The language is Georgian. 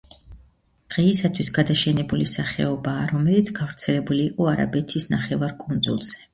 დღეისათვის გადაშენებული სახეობაა, რომელიც გავრცელებული იყო არაბეთის ნახევარკუნძულზე.